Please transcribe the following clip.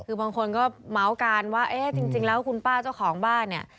คือบางคนก็เหมาะการว่าจริงแล้วคุณป้าเจ้าของบ้าน